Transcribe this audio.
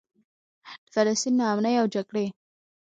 د فلسطین نا امني او جګړې.